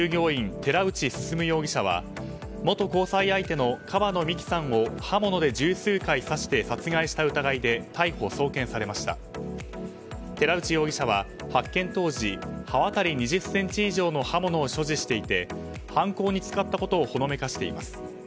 寺内容疑者は発見当時刃渡り２０ｃｍ以上の刃物を所持していて犯行に使ったことをほのめかしています。